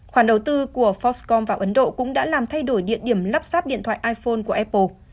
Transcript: khoản đầu tư của foxcom vào ấn độ cũng đã làm thay đổi địa điểm lắp sáp điện thoại iphone của apple